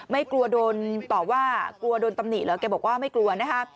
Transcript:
ไม่กลัวโดนต่อว่ากลัวโดนตำหนิเหรอแกบอกว่าไม่กลัวนะคะ